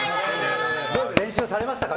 練習されましたか？